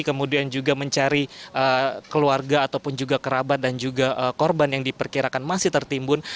kemudian juga mencari keluarga ataupun juga kerabat dan juga korban yang diperkirakan masih tertimbun